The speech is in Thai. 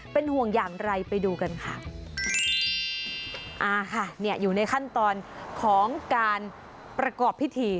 เป็นห่วงอย่างไรไปดูกันค่ะอ่าค่ะเนี่ยอยู่ในขั้นตอนของการประกอบพิธี